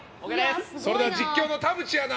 それでは実況の田淵アナ